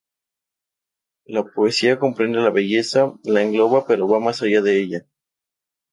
La poesía comprende la belleza, la engloba, pero va más allá de ella.